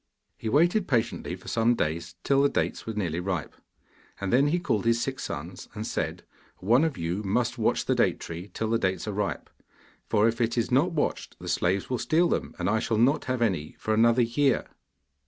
He waited patiently for some days till the dates were nearly ripe, and then he called his six sons, and said: 'One of you must watch the date tree till the dates are ripe, for if it is not watched the slaves will steal them, and I shall not have any for another year.